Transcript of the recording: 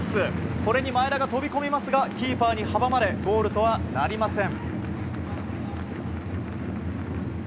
これに前田が飛び込みますがキーパーに阻まれゴールとはなりません。